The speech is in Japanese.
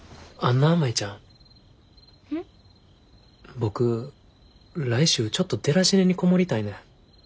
僕来週ちょっとデラシネに籠もりたいねん。